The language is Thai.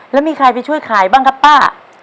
แล้วมีใครไปช่วยขายบ้างครับป้า